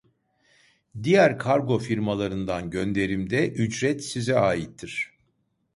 Diğer kargo firmalarından gönderimde ücret size aittir